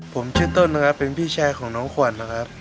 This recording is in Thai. ผมชื่อต้นนะครับเป็นพี่ชายของน้องขวัญนะครับ